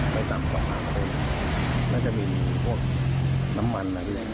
ไม่จับขวาสามารถน่าจะมีพวกน้ำมันอะไรส่วน